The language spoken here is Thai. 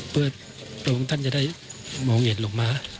เพื่อเพื่อคุณคุณท่านจะได้มองเห็นหลวงมา